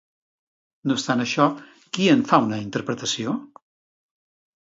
No obstant això, qui en fa una interpretació?